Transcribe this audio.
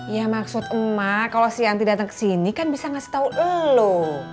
ya maksud emak kalau si anti datang ke sini kan bisa ngasih tahu elu